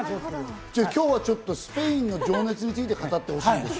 今日はちょっと、スペインの情熱について語ってほしいです。